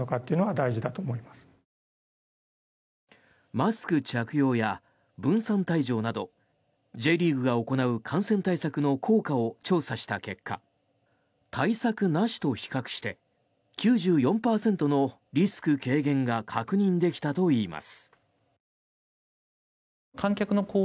マスク着用や分散退場などＪリーグが行う感染対策の効果を調査した結果対策なしと比較して９４％のリスク軽減が確認できたといいます。